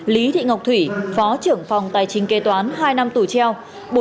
lý thị ngọc thủy phó trưởng phòng tài chính kế toán hai năm tù treo